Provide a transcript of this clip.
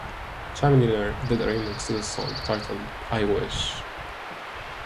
Chamillionaire did a remix to this song titled "I Wish".